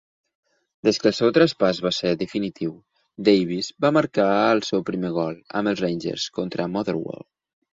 Des que el seu traspàs va ser definitiu, Davis va marcar el seu primer gol amb els Rangers contra Motherwell.